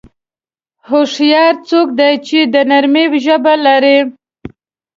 هوښیار څوک دی چې د نرمۍ ژبه لري.